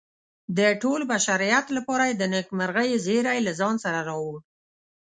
د ټول بشریت لپاره یې د نیکمرغۍ زیری له ځان سره راوړ.